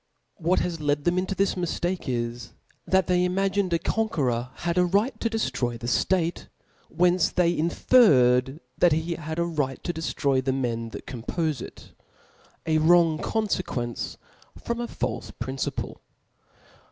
What has led them into this miftake^ is that they iniagtned a conqueror had a right to deftroy the ftate ; frorn whence they inferred that he had a right to deftroy the men that compofe it; a wrong confequence from a falfe principle.